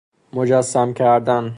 مجسم کردن